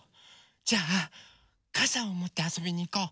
じゃあかさをもってあそびにいこう。